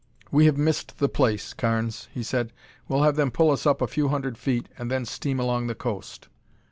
"We have missed the place, Carnes," he said. "We'll have them pull us up a few hundred feet and then steam along the coast."